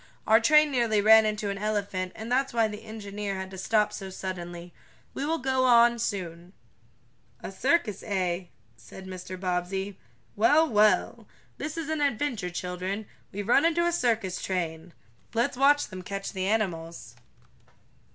Our train nearly ran into an elephant, and that's why the engineer had to stop so suddenly. We will go on I soon." "A circus, eh?" said Mr. Bobbsey. "Well, well! This is an adventure, children. We've run into a circus train! Let's watch them catch the animals."